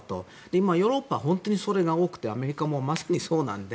今、ヨーロッパは本当にそれが多くてアメリカもまさにそうなので。